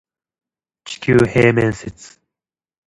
地球平面説